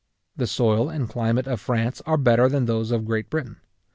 The soil and climate of France are better than those of Great Britain.